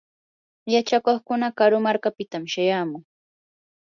yachakuqkuna karu markapitam shayamun.